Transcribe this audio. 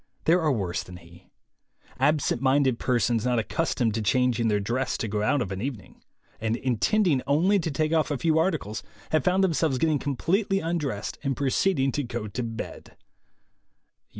There are worse than he. Absent minded persons, not accustomed to changing their dress to go out of an evening, and intending only to take off a few articles, have found themselves get ting completely undressed, and proceeding to go to bed.